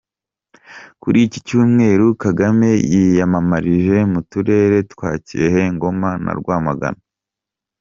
Kuri iki Cyumweru Kagame yiyamamarije mu turere twa Kirehe, Ngoma na Rwamagana.